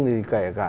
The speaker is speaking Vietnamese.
thì kể cả